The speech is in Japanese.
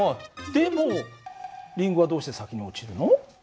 でもリンゴはどうして先に落ちるの？